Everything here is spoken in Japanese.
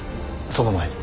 その前に。